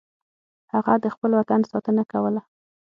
هغه د خپل وطن ساتنه کوله.